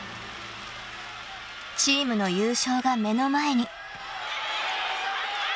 ［チームの優勝が目の前に］